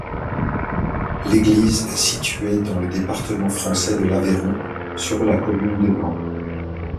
L'église est située dans le département français de l'Aveyron, sur la commune de Nant.